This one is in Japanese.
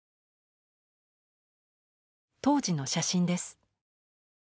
当時の写真です。